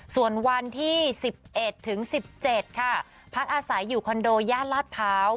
ส่วนวันที่๑๑ถึง๑๗ค่ะพักอาศัยอยู่คอนโดย่านลาดพร้าว